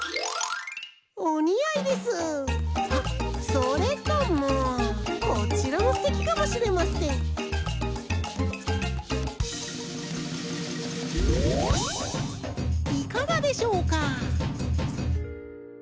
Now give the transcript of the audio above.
それともこちらもすてきかもしれませんいかがでしょうか？